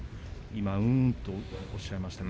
今、うんとおっしゃいましたね。